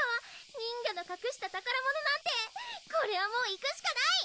人魚のかくした宝物なんてこれはもう行くしかない！